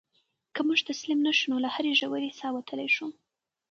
که موږ تسلیم نه شو نو له هرې ژورې څاه وتلی شو.